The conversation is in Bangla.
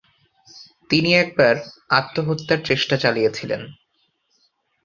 তিনি একবার আত্মহত্যার চেষ্টা চালিয়েছিলেন।